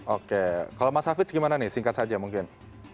oke kalau mas hafiz gimana nih singkat saja mungkin